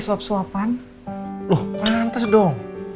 suapan suapan loh pantas dong